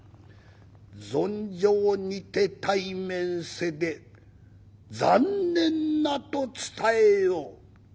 「存生にて対面せで残念なと伝えよ。